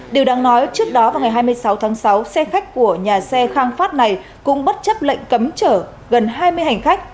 điều đáng nói trước đó vào ngày hai mươi sáu tháng sáu xe khách của nhà xe khang phát này cũng bất chấp lệnh cấm chở gần hai mươi hành khách